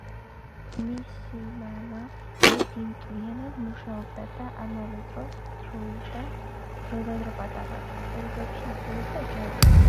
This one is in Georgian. მისი მამა, ენდი მტვირთავად მუშაობდა და ამავე დროს დროდადრო პატარა კლუბებში ასრულებდა ჯაზს.